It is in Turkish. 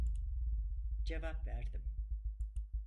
Cevap verdim: